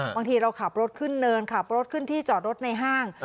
บางทีเราขับรถขึ้นเนินขับรถขึ้นที่จอดรถในห้าง